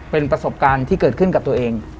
เป็นประสบการณ์ที่เกิดขึ้นกับตัวเอง